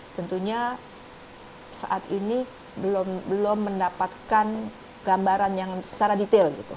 tentunya saat ini belum mendapatkan gambaran yang secara detail